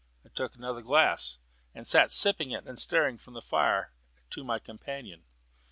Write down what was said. I took another glass, and sat sipping it and staring from the fire to my companion.